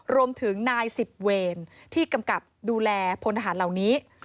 รวมถึงนายสิบเวรที่กำกับดูแลพลทหารเหล่านี้